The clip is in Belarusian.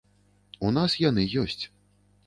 У нас яны ёсць.